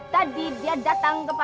tadi dia datang ke